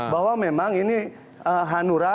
bahwa memang ini hanura